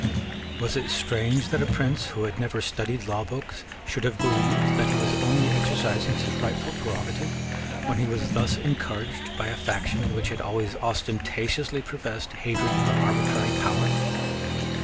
Was it strange that a prince who had never studied law books should have believed that he was only exercising his rightful prerogative, when he was thus encouraged by a faction which had always ostentatiously professed hatred of arbitrary power?